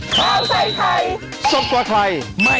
โปรดติดตามตอนต่อไป